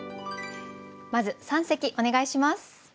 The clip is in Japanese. まず三席お願いします。